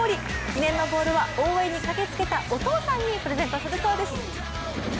記念のボールは応援に駆けつけたお父さんにプレゼントするそうです。